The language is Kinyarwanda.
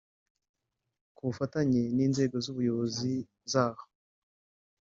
Ku bufatanye n’inzego z’ubuyobozi z’aho